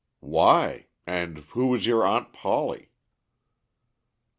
"Why? and who is your Aunt Polly?"